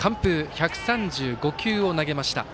１３５球を投げました。